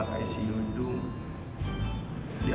kalian dua puluh mn nih